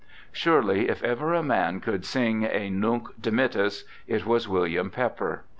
Surely if ever a man could sing a Ntnic Dimittis it was William Pepper!